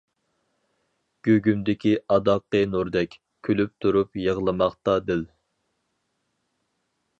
گۇگۇمدىكى ئاداققى نۇردەك، كۈلۈپ تۇرۇپ يىغلىماقتا دىل.